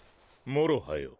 もろはよ。